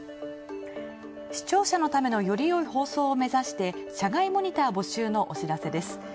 視聴者のためのよりよい放送を目指して社外モニター募集のお知らせです。